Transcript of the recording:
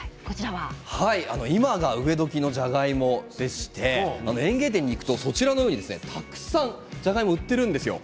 今が植え時のじゃがいもでして園芸店に行くとたくさん、じゃがいもが売っているんですよ。